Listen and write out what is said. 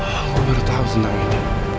aku baru tahu tentang ini